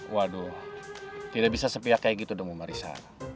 waduh tidak bisa sepiak kayak gitu dong bu marissa